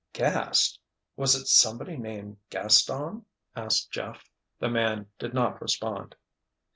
"Gast—was it somebody named Gaston?" asked Jeff. The man did not respond.